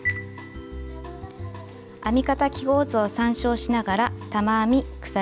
編み方記号図を参照しながら玉編み鎖